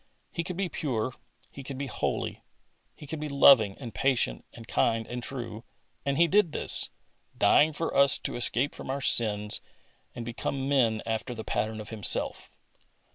He could be pure, He could be holy. He could be loving and patient and kind and true, and He did this, dying for us to escape from our sins and become men after the pattern of Himself.